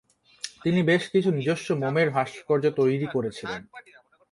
তিনি বেশ কিছু নিজস্ব মোমের ভাস্কর্য তৈরী করেছিলেন।